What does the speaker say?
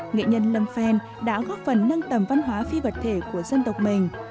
nghệ nhân lâm phen đã góp phần nâng tầm văn hóa phi vật thể của dân tộc mình